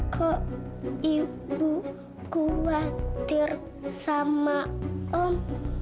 kok ibu khawatir sama om